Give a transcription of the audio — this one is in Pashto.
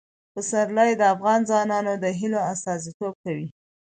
پسرلی د افغان ځوانانو د هیلو استازیتوب کوي.